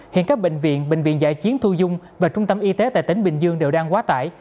hiện các bệnh viện bệnh viện giải chiến thu dung và trung tâm y tế tại tỉnh bình dương đều đang quá tải